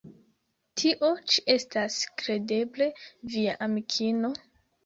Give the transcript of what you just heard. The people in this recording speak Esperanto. Tio ĉi estas kredeble via amikino?